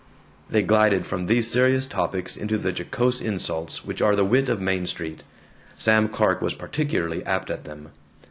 They glided from these serious topics into the jocose insults which are the wit of Main Street. Sam Clark was particularly apt at them.